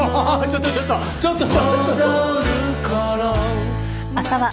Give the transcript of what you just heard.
ちょっとちょっとちょっと！